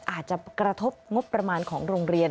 อาจจะกระทบงบประมาณของโรงเรียน